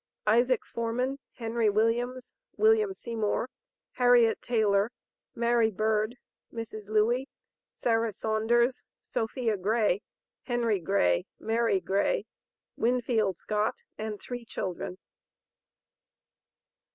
ISAAC FORMAN, HENRY WILLIAMS, WILLIAM SEYMOUR, HARRIET TAYLOR, MARY BIRD, MRS. LEWEY, SARAH SAUNDERS, SOPHIA GRAY, HENRY GRAY, MARY GRAY, WINFIELD SCOTT, and three children.